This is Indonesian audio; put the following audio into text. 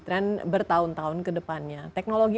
tren bertahun tahun kedepannya teknologi